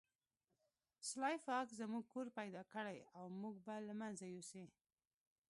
سلای فاکس زموږ کور پیدا کړی او موږ به له منځه یوسي